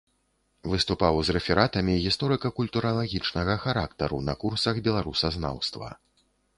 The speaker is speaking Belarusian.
Выступаў з рэфератамі гісторыка-культуралагічнага характару на курсах беларусазнаўства.